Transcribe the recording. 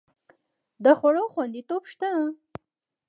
د خوړو خوندیتوب شته؟